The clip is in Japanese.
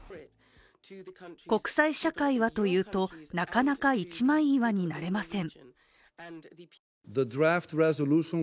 国際社会はというと、なかなか一枚岩になれません。